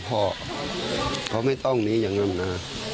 พ่อเขาไม่ต้องหนีอย่างนั้นนะ